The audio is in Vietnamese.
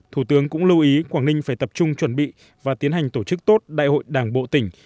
thủ tướng cũng lưu ý quảng ninh phải tập trung chuẩn bị và tiến hành tổ chức tốt đại hội đảng bộ tỉnh